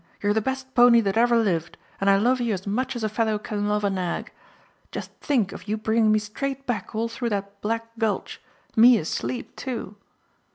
You're the best pony that ever lived, and I love you as much as a fellow can love a nag. Just think of you bringing me straight back all through that black gulch me asleep too!